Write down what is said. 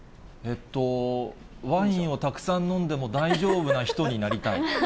ワインをたくさん飲んでも大丈夫な人になりたい。